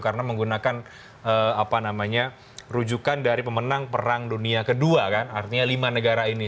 karena menggunakan apa namanya rujukan dari pemenang perang dunia ke dua kan artinya lima negara ini